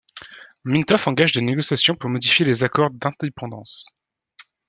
Mintoff engage des négociations pour modifier les accords d'indépendance.